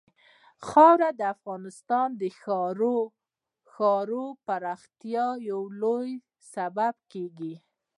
خاوره د افغانستان د ښاري پراختیا یو لوی سبب کېږي.